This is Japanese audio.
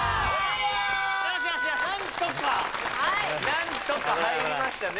何とか何とか入りましたね